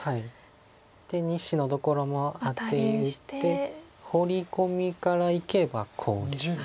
で２子のところもアテ打ってホウリコミからいけばコウです。